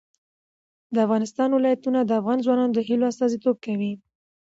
د افغانستان ولايتونه د افغان ځوانانو د هیلو استازیتوب کوي.